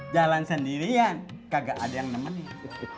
jalan sendirian kagak ada yang nemenin